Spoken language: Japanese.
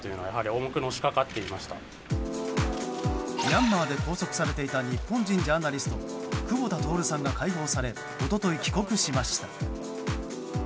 ミャンマーで拘束されていた日本人ジャーナリスト久保田徹さんが解放され一昨日、帰国しました。